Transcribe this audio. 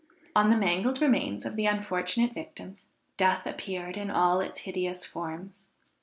On the mangled remains of the unfortunate victims, death appeared in all its hideous forms.